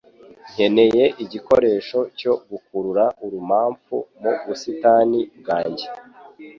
Nkeneye igikoresho cyo gukurura urumamfu mu busitani bwanjye